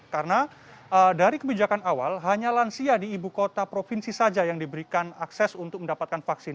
lansia di ibu kota provinsi saja yang diberikan akses untuk mendapatkan vaksin